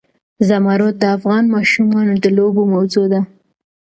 زمرد د افغان ماشومانو د لوبو موضوع ده.